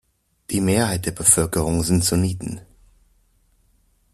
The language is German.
Die Mehrheit der Bevölkerung sind Sunniten.